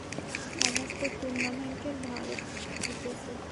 সমস্ত টুর্নামেন্ট ভারত জিতেছে।